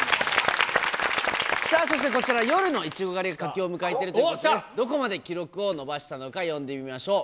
そしてこちら、夜のイチゴ狩り、佳境を迎えているということで、どこまで記録を伸ばしたのか、呼んでみましょう。